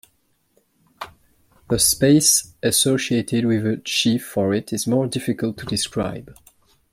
The space associated with a sheaf, for it, is more difficult to describe.